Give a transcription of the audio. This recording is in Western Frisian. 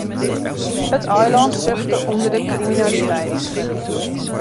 It eilân suchte ûnder de kriminaliteit.